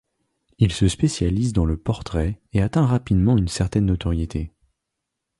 Il se spécialise dans le portrait et atteint rapidement une certaine notoriété.